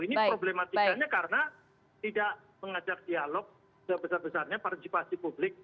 ini problematikanya karena tidak mengajak dialog sebesar besarnya partisipasi publik